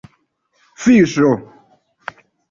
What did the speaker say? fiŝo